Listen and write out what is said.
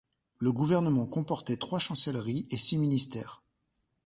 Le gouvernement comportait trois chancelleries et six ministères.